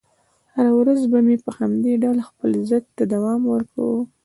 هره ورځ به مې په همدې ډول خپل ضد ته دوام ورکاوه.